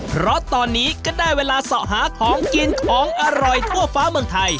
เพราะตอนนี้ก็ได้เวลาเสาะหาของกินของอร่อยทั่วฟ้าเมืองไทย